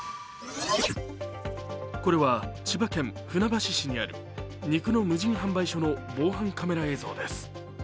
これは千葉県船橋市にある肉の無人販売所の防犯カメラ映像です。